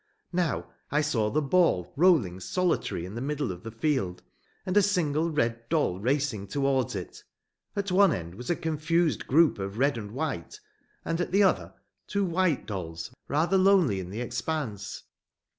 Now I saw the ball rolling solitary in the middle of the field, and a single red doll racing towards it; at one end was a confused group of red and white, and at the other two white dolls, rather lonely in the expanse.